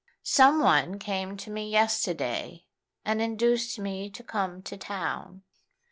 Some one came to me yesterday, and induced me to come to town."